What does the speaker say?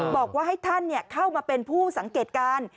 บอกว่าให้ท่านเข้ามาเป็นผู้สังเกตการ